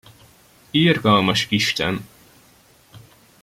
Irgalmas isten!